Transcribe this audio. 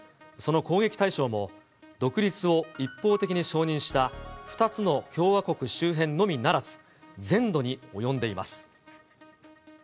その攻撃対象も、独立を一方的に承認した２つの共和国周辺のみならず、全土に及んでいます。